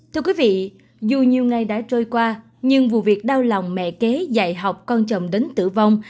thưa quý vị dù nhiều ngày đã trôi qua nhưng vụ việc đau lòng mẹ kế dạy học con chồng đến tử vong